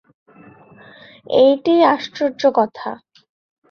এইটেই আশ্চর্য কথা।